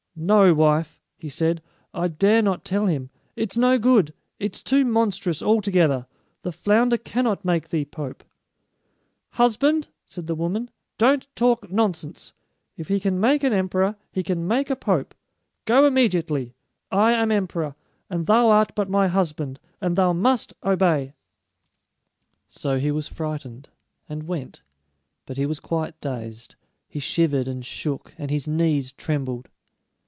"No, wife," he said, "I dare not tell him. It's no good; it's too monstrous altogether. The flounder cannot make thee pope." "Husband," said the woman, "don't talk nonsense. If he can make an emperor, he can make a pope. Go immediately. I am emperor, and thou art but my husband, and thou must obey." So he was frightened, and went; but he was quite dazed. He shivered and shook, and his knees trembled.